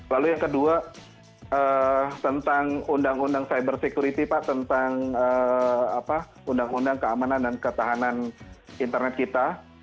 lalu yang kedua tentang undang undang cyber security pak tentang undang undang keamanan dan ketahanan internet kita